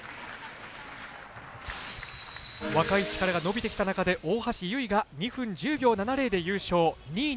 若い力が伸びてきた中で大橋悠依が２分１０秒７０で優勝。